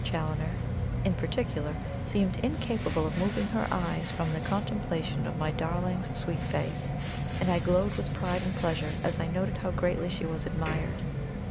Challoner, in particular, seemed incapable of moving her eyes from the contemplation of my darling's sweet face, and I glowed with pride and pleasure as I noted how greatly she was admired.